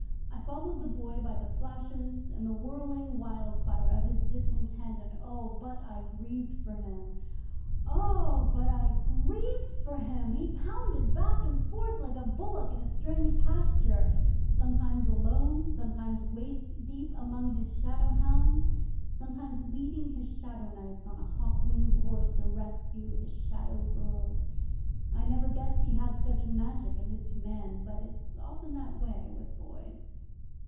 I followed the Boy by the flashes and the whirling wildfire of his discontent, and oh, but I grieved for him! Oh, but I grieved for him! He pounded back and forth like a bullock in a strange pasture sometimes alone sometimes waist deep among his shadow hounds sometimes leading his shadow knights on a hawk winged horse to rescue his shadow girls. I never guessed he had such Magic at his command; but it's often that way with boys.